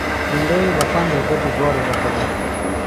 بېنډۍ له خوند او ګټې دواړو ډکه ده